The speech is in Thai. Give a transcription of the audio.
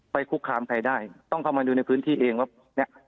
คุกคามใครได้ต้องเข้ามาดูในพื้นที่เองว่าเนี้ย